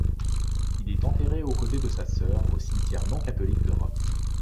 Il est enterré au côté de sa sœur au cimetière non catholique de Rome.